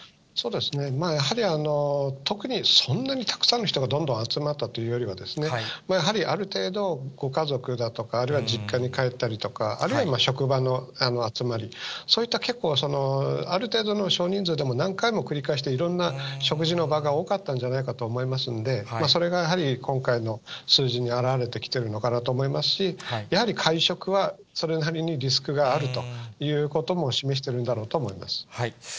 そうですね、まあやはり、特に、そんなにたくさんの人がどんどん集まったというよりは、やはりある程度、ご家族だとか、あるいは実家に帰ったりとか、あるいは職場の集まり、そういった、結構、ある程度の少人数でも、何回も繰り返して、いろんな食事の場が多かったんじゃないかと思いますんで、それがやはり今回の数字に表れてきているのかなと思いますし、やはり会食は、それなりにリスクがあるということも示してるんだろうと思います。